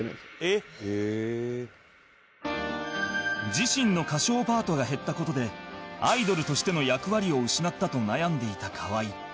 自身の歌唱パートが減った事でアイドルとしての役割を失ったと悩んでいた河合